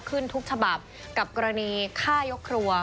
ขึ้นทุกฉบับกับกรณีฆ่ายกครัว